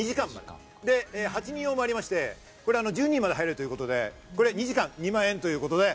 ８人用もありまして、これ１０人まで入れるということで、２時間２万円。